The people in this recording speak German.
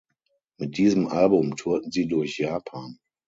Mit diesem Album tourten sie durch Japan.